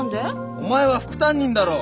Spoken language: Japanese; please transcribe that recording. お前は副担任だろう。